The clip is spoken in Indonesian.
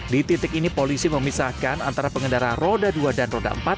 di titik ini polisi memisahkan antara pengendara roda dua dan roda empat